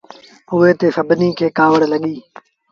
ايئي تي سڀنيٚ کي ڪآوڙ لڳيٚ۔